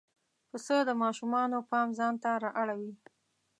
پسه د ماشومانو پام ځان ته را اړوي.